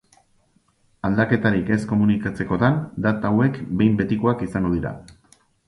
Aldaketarik ez komunikatzekotan, data hauek behin betikoak izango dira.